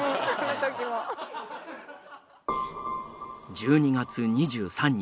１２月２３日。